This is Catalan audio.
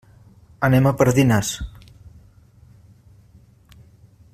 Anem a Pardines.